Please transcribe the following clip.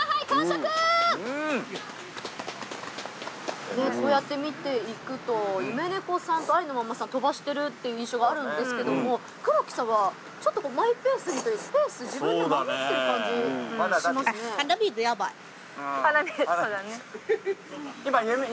こうやって見ていくと夢猫さんとありのまんまさん飛ばしているっていう印象があるんですけども黒木さんはちょっとマイペースにというかペース自分で守ってる感じしますね。